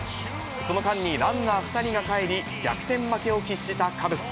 その間にランナー２人がかえり、逆転負けを喫したカブス。